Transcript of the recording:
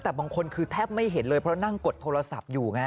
แต่บางคนคือแทบไม่เห็นเลยเพราะนั่งกดโทรศัพท์อยู่ไง